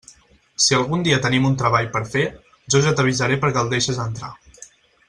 Si algun dia tenim un treball per a fer, jo ja t'avisaré perquè el deixes entrar.